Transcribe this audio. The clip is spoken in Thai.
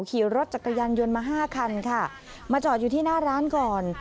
ขี่รถจักรยานยนต์มาห้าคันค่ะมาจอดอยู่ที่หน้าร้านก่อน